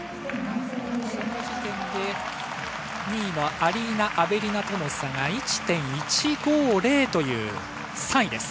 この時点で、２位のアリーナ・アベリナとの差が１．１５０、３位です。